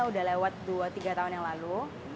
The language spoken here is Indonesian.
udah lewat dua tiga tahun yang lalu